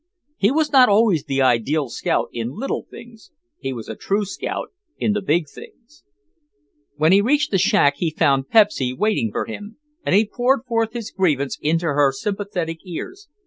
He was not always the ideal scout in little things. He was a true scout in the big things. When he reached the shack he found Pepsy waiting for him and he poured forth his grievance into her sympathetic ears.